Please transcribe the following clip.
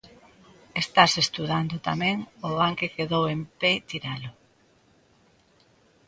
Estase estudando tamén o van que quedou en pé tiralo.